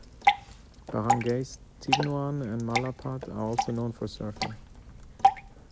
Barangays Tignoan and Malapad are also known for surfing.